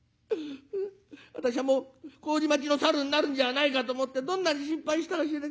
私はもう麹町のサルになるんじゃないかと思ってどんなに心配したか